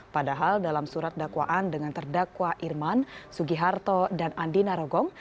padahal dalam surat dakwaan dengan terdakwa irman sugiharto dan andi narogong